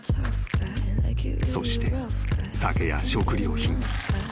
［そして酒や食料品］